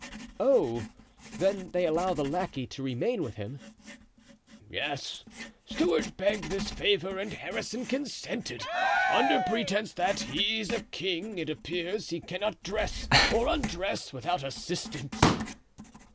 "Oh! then they allow the lackey to remain with him?" "Yes; Stuart begged this favor and Harrison consented. Under pretense that he's a king it appears he cannot dress or undress without assistance."